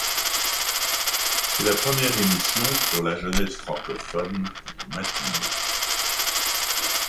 C'est la première émission pour la jeunesse francophone de matinée.